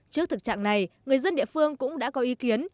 trước thực trạng này người dân địa phương cũng đã có ý kiến